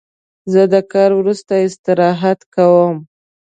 زه د کار وروسته استراحت کوم.